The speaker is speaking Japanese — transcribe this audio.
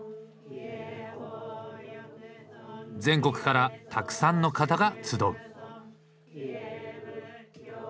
全国からたくさんの方が集う。